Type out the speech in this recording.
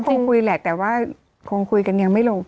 คงคุยแหละแต่ว่าคงคุยกันยังไม่ลง